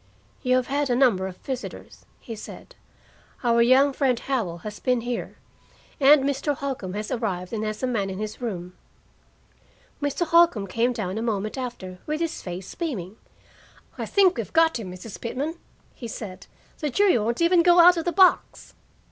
"You have had a number of visitors," he said. "Our young friend Howell has been here, and Mr. Holcombe has arrived and has a man in his room." Mr. Holcombe came down a moment after, with his face beaming. "I think we've got him, Mrs. Pitman," he said. "The jury won't even go out of the box."